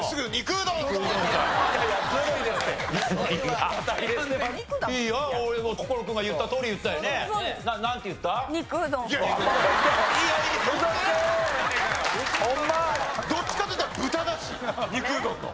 ウソつけ！ホンマ？どっちかっていったら豚だし肉うどんの。